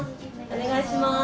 お願いします。